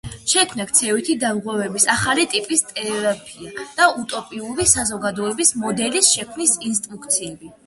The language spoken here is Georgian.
შეიქმნა ქცევითი დარღვევების ახალი ტიპის თერაპია და უტოპიური საზოგადოების მოდელის შექმნის ინსტრუქციები.